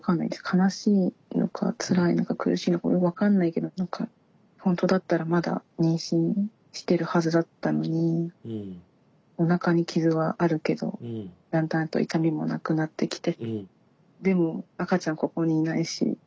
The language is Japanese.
悲しいのかつらいのか苦しいのか分かんないけどほんとだったらまだ妊娠してるはずだったのにおなかに傷はあるけどだんだんと痛みもなくなってきてでも赤ちゃんここにいないし。